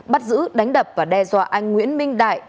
bắt giữ đánh đập và đe dọa anh nguyễn minh đại